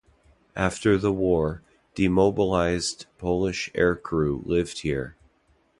After the war, demobilised Polish aircrew lived here.